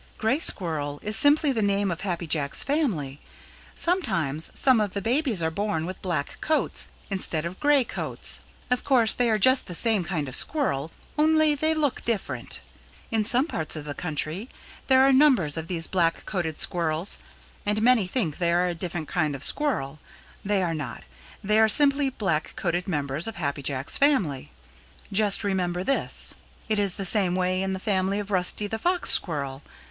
"Gray Squirrel is simply the name of Happy Jack's family. Sometimes some of the babies are born with black coats instead of gray coats. Of course they are just the same kind of Squirrel, only they look different. In some parts of the country there are numbers of these black coated Squirrels and many think they are a different kind of Squirrel. They are not. They are simply black coated members of Happy Jack's family. Just remember this. It is the same way in the family of Rusty the Fox Squirrel.